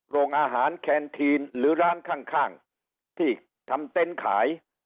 โรงอาหารแคนทีนหรือร้านข้างที่ทำเต็นต์ขาย